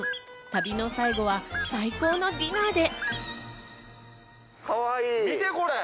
旅の最後は最高のディナーで。